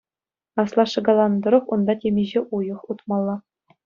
Аслашшӗ каланӑ тӑрӑх, унта темиҫе уйӑх утмалла.